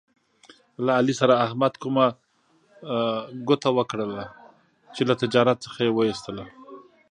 له علي سره احمد کومه ګوته وکړله، چې له تجارت څخه یې و ایستلا.